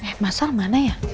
eh masal mana ya